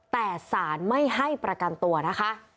แต่สารไม่ให้ประกันตัวนะคะ